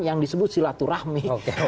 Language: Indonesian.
yang disebut silaturahmi